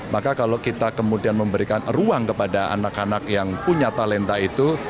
maka kalau kita kemudian memberikan ruang kepada anak anak yang punya talenta itu